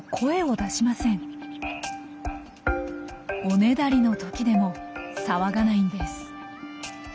おねだりのときでも騒がないんです。